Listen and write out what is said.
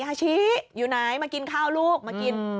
ฮาชิอยู่ไหนมากินข้าวลูกมากิน